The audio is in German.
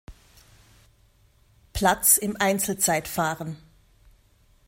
Platz im Einzelzeitfahren.